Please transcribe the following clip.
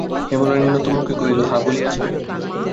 হেমনলিনী নতমুখে কহিল, হাঁ, বলিয়াছিলেন।